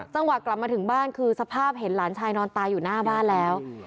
จังหวะกลับมาถึงบ้านคือสภาพเห็นหลานชายนอนตายอยู่หน้าบ้านแล้ว